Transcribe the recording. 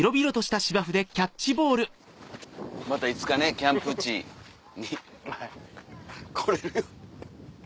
またいつかねキャンプ地に来れる。